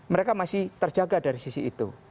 mereka masih terjaga dari sisi itu